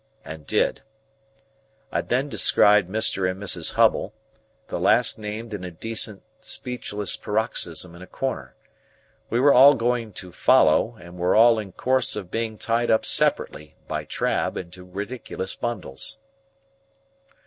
and did. I then descried Mr. and Mrs. Hubble; the last named in a decent speechless paroxysm in a corner. We were all going to "follow," and were all in course of being tied up separately (by Trabb) into ridiculous bundles.